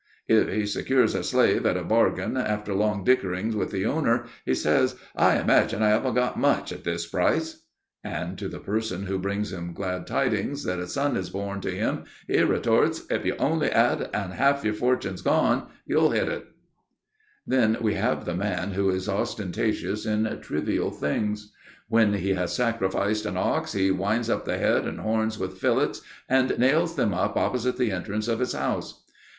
'" "If he secures a slave at a bargain after long dickering with the owner, he says: 'I imagine I haven't got much at this price.' And to the person who brings him the glad tidings that a son is born to him, he retorts, 'If you only add: "And half your fortune's gone," you'll hit it.'" [Sidenote: Petty Vanity] Then we have the man who is ostentatious in trivial things. "When he has sacrificed an ox, he winds the head and horns with fillets, and nails them up, opposite the entrance of his house."